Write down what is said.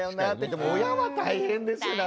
でも親は大変ですよね